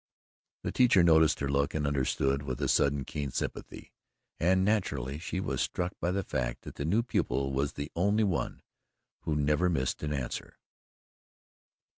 The teacher noticed her look and understood with a sudden keen sympathy, and naturally she was struck by the fact that the new pupil was the only one who never missed an answer.